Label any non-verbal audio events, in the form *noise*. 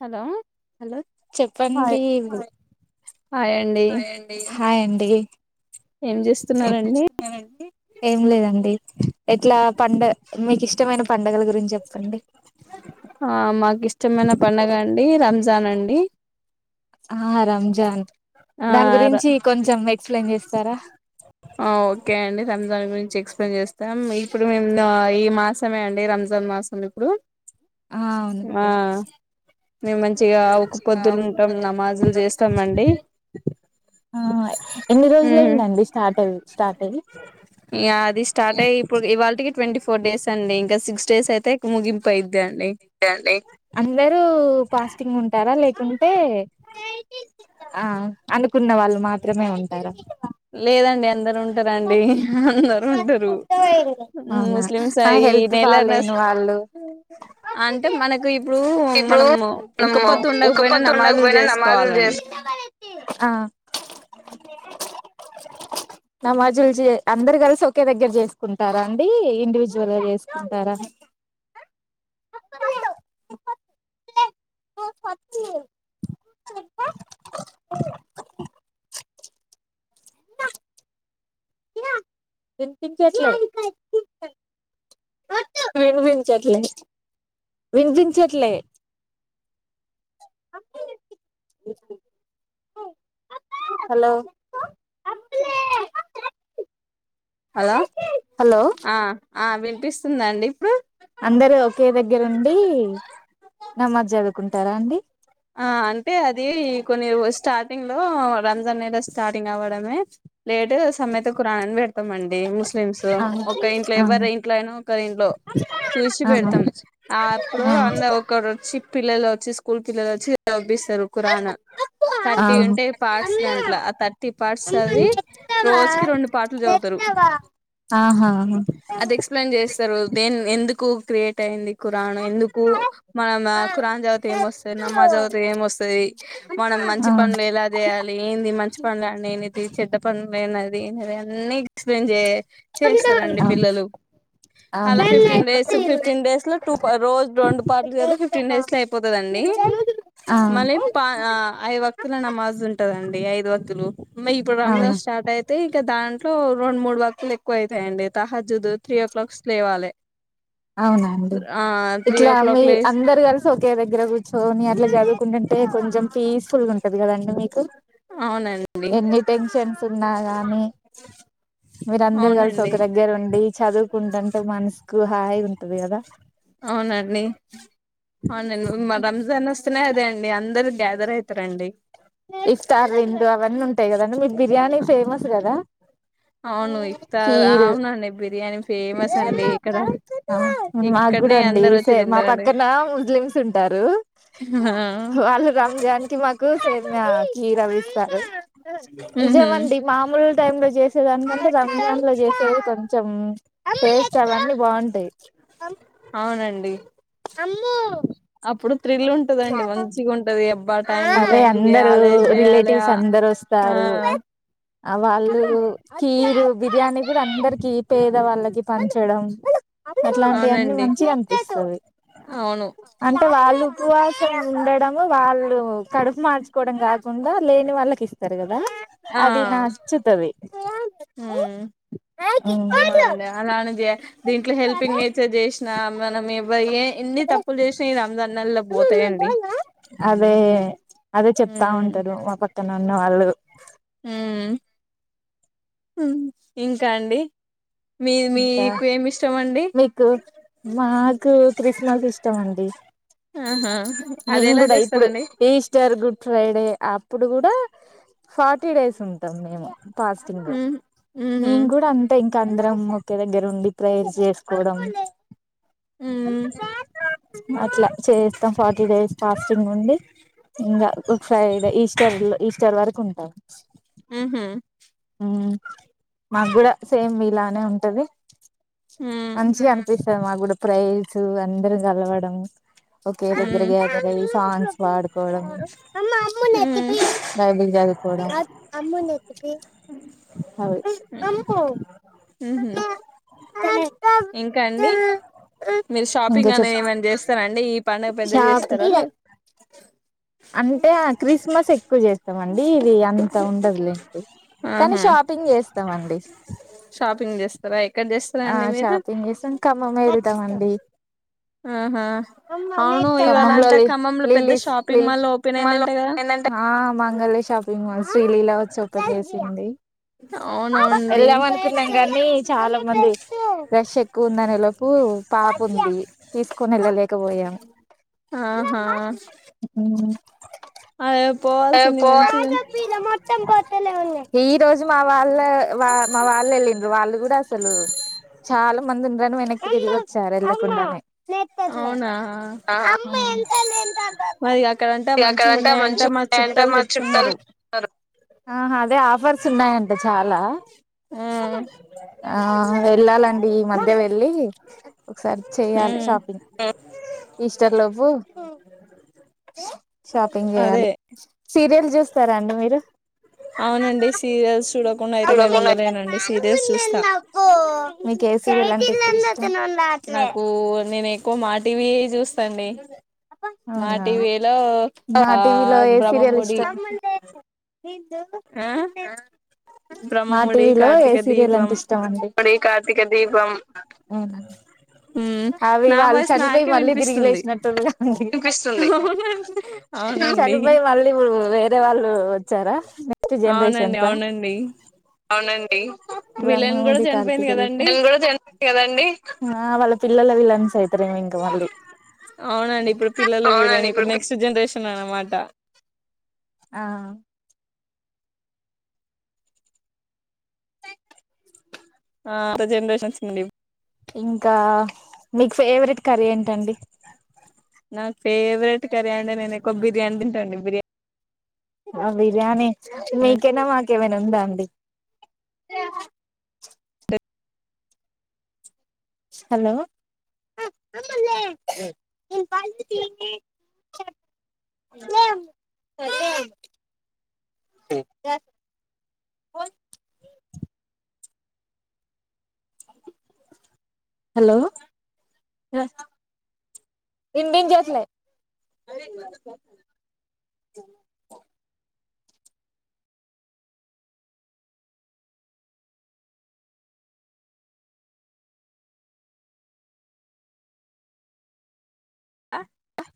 Hello hello hi చెప్పండి hi అండి hi అండి హాయ్అండి ఏం ఏం చేస్తున్నారండి చేస్తున్నారండి ఏం లేదండి ఎట్లా పడు మీకు ఇష్టమైన పండగలు గురించి చెప్పండి ఆ మాకు ఇష్టమైన పండగ అండి అండి ఆ రంజాన్ ఆ దాని ర- గురించి కొంచెం ఎక్స్ప్లెయిన్ చేస్తారా ఆ ఓకే అండి రంజాన్ గురించి ఎక్స్ప్లెయిన్ చేస్తాం ఇప్పుడు మేము ఈ మాసమే అండి రంజాన్ మాసం ఇప్పుడు ఆ ఆ అవునండించి మేము మంచిగా ఒక పొద్దులు ఉంటాం నమాజులు చేస్తామండి ఉహ్ అయి అది స్టార్ట్ అయ్యి ఇప్పుడు ఇవాళకి ట్వంటీ ఫోర్ డేస్ అండి ఇంకా సిక్స్ స్టేస్ అయితేయికు ముగింపు అయిది అందరు ఫాస్టింగ్ ఉంటారా లేక అంటే ఆ అనుకున్న వాళ్ళు మాత్రమే ఉంటారా లేదండి అందరు ఉంటారండి అందరు ఉంటారు అవునా ముస్లిమ్స్ అ ఆ ఈ హెల్త్ నెల న బాలేని వాళ్ళు అంటే అంటే మనకు ఇప్పుడు ఇప్పుడు మనము మనము ఉక్కపొత్తు ఉండకపోయినా ఉక్కపొద్దు నమాజులు ఉండకపోయినా నమాజులు చేసుకోవాలండి చేస్ ఆ నమాజులు చే అందరు కలిసి ఒకే దగ్గర చేసుకుంటారా అండి ఇండివిజువల్గా చేసుకుంటారా వినిపించలే వినిపించలే వినిపించలే హలో హలో హలో ఆ ఆ వినిపిస్తుందండి ఇప్పుడు అందరు ఒకే దగ్గర ఉండి నమాజ్ చదువుకుంటారా అండి ఆ అంటే అది కొన్ని స్టార్టింగ్ లో రంజాన్ నద స్టార్టింగ్ అవ్వడమే లేటు సమెత ఖరానాని పెడతాం అండి ముస్లిమ్స్ ఆ ఒక ఇంట్లో ఆ ఎవరి ఇంట్లో అయినా ఒకరి ఇంట్లో చూసి ఆహా పెడతాం అప్పుడు ఆ అంద ఒకరు వచ్చి పిల్లలు వచ్చి స్కూల్ జల్ల ర చవి *unintelligible* ఖురాన్ థర్టీ ఉంటాయి పార్ట్స్ దాంట్లో ఆ థర్టీ పార్ట్స్ చదివి రోజుకి రెండు పాట్లు చదువుతారు ఆహా ఆ అది ఎక్స్ప్లెయిన్ చేస్తారు దేన్ ఎందుకు ఎక్కువ క్రియేట్ అయింది ఖురాను ఎందుకు మనం ఖరాన్ చదివితే ఏమొస్తది నమాజ్ చదివితే ఏమొస్తుంది మనం మంచి పనులు ఎలా చేయాలి ఏంది మంచి పనులు అండి చెడ్డ పనులు అది అన్నీ ఎక్స్ప్లెయిన్ చేయ చేస్తారండి పిల్లలు ఆ అలా ఫిఫ్టీన్ డేస్ అవును ఫిఫ్టీన్ డేస్ లో టూ రోజు రెండు పాట్లు కద ఫిఫ్టీన్ డేస్ లో అయిపోతందిండి ఆ మళ్ళీ పా ఐ వతుల నమాజ్ ఉంటదండి ఐదు వతులు మ ఇప్పుడు అవునా రంజాన్ స్టార్ట్ అయితే కా దాంట్లో రెండు మూడు వర్తులు ఎక్కువ అవుతాయండి తహజుదు త్రీ ఓ క్లాక్ స్ లేవ్వాలి అవునండి త్రీ ఓ ఇట్లా మీ క్లాక్ లేసి అందరు కలిసి ఒకే దగ్గర కూర్చొని ఇట్లా చదువుకుంటంటే కొంచెం పీస్ఫుల్ గా ఉంటుది కదండి మీకు అవునండి ఎన్ని టెన్షన్స్ ఉన్నా గాని మీర అందరు కలిసి అవునండి ఒక దగ్గర ఉండి చదువుకుంటుంటే మనసుకు హాయి ఉంటది కదా అవునండి అవునండి మా రంజాన్ వస్తే నే అదే అండి అందరు గ్యాదర్ అవుతారండి ఇస్త ఆర్లిం అవన్న ఉంటాయి కదా అండి బిర్యానీ ఫేమస్ కదా అవును ఇఫ్తార్ కీరు అవునండి బిర్యానీ ఫేమస్ అండి ఇక్కడ మాకు కూడా ఇక్కడనే అండి అందరు వచ్చి సే మా తింటారండి పక్కన ముస్లిమ్స్ ఉంటారు వాళ్ళు రాంజాన్ కి మాకు సేమ్య కీర విస్తారు ఉహు నిజమండి మామూలు టైమ్ లో చేసేదానికంటే చేసేదే కొంచెం టేస్ట్ అవన్నీ బాగుంటాయి అవునండి అమ్మ అప్పుడు థ్రిల్ ఉంటదండి మంచిగా ఉంటది అబ్బా టైం ఈ అదే టైం కి అందరు చేయాలి చేయాలి ఆ రిలేటివ్స్ అందరు ఆ వస్తారు ఆ వాళ్ళు కీరు బిర్యానీ కూడా అందరికి పేద వాళ్ళకి పంచడం అట్లాంటివన్నీ అవునండి మంచిగా అనిపిస్తుంది అవును అంటే వాళ్ళు ఉపవాసం ఉండడము వాళ్ళు కడుపు మార్చుకోవడం కాకుండా లేని వాళ్ళకి ఇస్తారు కదా ఆ అది నచ్చుతది ఉమ్ అవునండి అలానే చే దీంట్లో హెల్పింగ్ నేచర్ చేసినా మనం ఏ ఇన్ని తప్పులు చేస తొనిమ్మిద నెలల్లో పోతాయండి అదే అదే చెప్తా ఉంటారు మా పక్క ఇతనున్న వాళ్ళు హు ఇంకా మీకు మాకు క్రిస్మస్ ఇష్టం అండి ఆహా అది మేము ఎలా కూడా ఇప్పుడు చేస్తారండి ఈస్టర్ గుడ్ ఫ్రైడే అప్పుడు కూడా ఫార్టీ డేస్ ఉంటాం మేము పాస్టింగ్ ఉమ్ ఉహు మేము కూడా అంతే కంద్రం ము ఒకే దగ్గర ఉండి ప్రేర్ చేసుకోవడం హు అట్లా చేస్తాం ఫార్టీ డేస్ ఫస్టింగ్ నుండి ఇంకా ఒక ఫ్రైడే ఈస్టర్ ఈస్టర్ వరకు ఉంటుంది ఆ ఊహ హు మాకు కూడా సేమ్ మీ లానే ఉంటా ఆది ఉమ్ మంచిగా అనిపిస్త మాకు కూడా ప్రైజ్ అందరు కలవడం ఓకే దగ్గర ఉమ్ గ్యాదర్ అయి సాంగ్స్ పడుకోవడం ఉమ్ బైబల్ చదువు కూడా ఉహు ఇంకా అండి మీరు ఇంకా షాపింగ్ చెప్ అనేది ఏమనా చేస్తారా అండి ఈ పండుగ పెద్ద గా చేస్తారా లేద అంటే క్రిస్మస్ ఎక్కువ చేస్తామండి ఇది అంత ఉండదు లేండి కానీ ఆహా షాపింగ్ చేస్తామ అండి చేస్తార ఆ షాపింగ్ చేస్తాం ఖమ్మంమే వెళతాం అండి ఆహా *inaudible* అవును ఇవాళ అంట ఖమ్మంలో పెద్ద షాపింగ్ మాల్ ఓపెన్ అయిందంట కదా శ్రీలీలా వచ్చి ఉపేసింది అవునండి వెళ్ళాం అనుకున్నాం కానీ చాలా మంది రష్ ఎక్కువ ఉందనే లోపు పాప ఉంది తీసుకొని వెళ్ళలేకపోయాము ఆహా హు అ ఈ రోజు మా వాళ్ళ మా వాళ్ళ వెళ్ళండ్రు వాళ్ళు కూడా అసలు చాలా మంది ఉండ వెనక్ తిరిగి వచ్చారు ఎల్లా కుండనే అవునా మరి అక్కడంట మంచిగా అక్కడంతా ఉన్నాయంట మంచి మా చుట్టాలు ఇడామాకు చెప్తున్నారు చుట్టలు *unintelligible* ఆహా అదే ఆఫర్స్ ఉన్నాయంట చాలా ఆ ఆ వెళ్ళాలండి ఈ మధ్య వెళ్ళి ఒకసారి చేయాలి ఉమ్ షాపింగ్ ఈస్టర్ లోపూ షాపింగ్ అదే చేయాలి సీరియల్ చూస్తారా అండి మీరు అవునండి సీరియల్స్ చూడకుండా అయితే నేను ఉండలేనండి సీరియల్స్ చూస్తా *unintelligible* మీ నాకు నేనె ఎకువ మా టీవీ చూస్తాండి మా అవునా టీవీ లో మా ఆ టీవీలో బ్రహ్మముడి ఆ మా బ్రహ్మముడి టీవీలో ఏ కార్తీక సీరియల్ దీపం అంటే ఇష్టం అండి *inaudible* కార్తీక దీపం. ఉ మ్మ్ అవి నా వాళ్ళు వాయిస్ చనిపోయి నాకే మళ్ళీ తిరిగి వినిపిస్తుంది లేసినట్టుందిగా నిపిస్తుంది అవునండి అవునండి చనిపోయి మళ్ళీ ఇప్పుడు వేరే వాళ్ళు వచ్చారా నెక్స్ట్ అవునండి జనరేషన్స్ ఆ అవునండి అవునన్ ఇ విలన్ కూడా బ్రహ్మముడి చనిపోయింది కార్తికదీపం కదండి ఆ వాళ్ళ పిల్లల విలన్ సైడ్ *unintelligible* ఇంకా వాళ్ళు అండి ఇప్పుడు పిల్లల విలన్ ఇప్పుడు ఆ ఆ అంత జెనరేషన్స్ నుండి ఇంకా మీకు ఫేవరెట్ కర్రీ ఏంటండి నా ఫేవరెట్ కర్రి అంటే నేను ఎక్కువ బిర్యానీ దిన్ సండి బిర్యా ఆ బిర్యానీ మీకేనా మాకేమైనా ఉందా అండి హలో హలో ఇబించట్లే అ అ